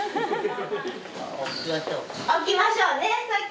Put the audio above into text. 起きましょうか。